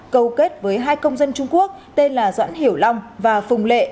câu kết với hai công dân trung quốc tên là doãn hiểu long và phùng lệ